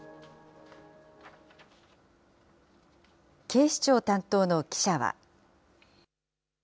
警視庁担当の記者は。